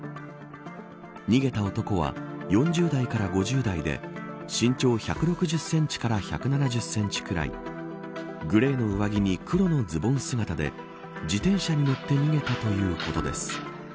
逃げた男は４０代から５０代で身長１６０センチから１７０センチくらいグレーの上着に黒のズボン姿で自転車に乗って逃げたということです。